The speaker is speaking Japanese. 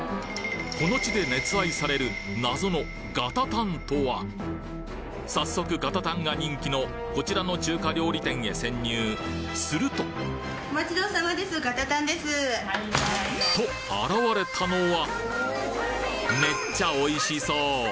この地で熱愛される早速ガタタンが人気のこちらの中華料理店へ潜入するとと現れたのはめっちゃおいしそう！